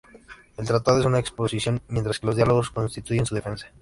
El "Tratado" es una exposición, mientras que los "diálogos" constituyen su defensa.